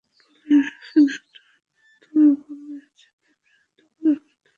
Bowling action একটু অদ্ভুত, তবে বলে আছে বিভ্রান্ত করার মতো ফ্লাইট।